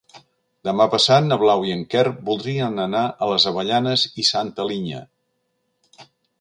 Demà passat na Blau i en Quer voldrien anar a les Avellanes i Santa Linya.